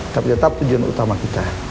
tapi tetap tujuan utama kita